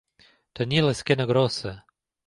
Tenir l'esquena grossa.